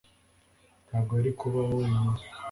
ntago yari kubaho wenyine